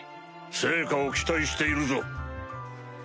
成果を期待しているぞ。